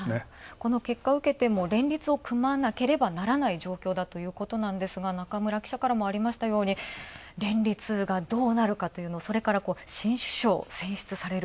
この結果を受けて、もう連立を組まなければならない状況ということなんですが、中村記者からありましたように連立がどうなるか、それから新首相、選出される。